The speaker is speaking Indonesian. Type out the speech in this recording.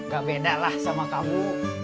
gak beda lah sama kamu